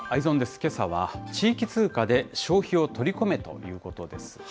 けさは、地域通貨で消費を取り込めということです。